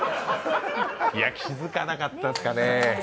いや、気づかなかったですかね。